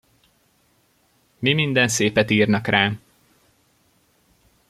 Mi minden szépet írnak rám!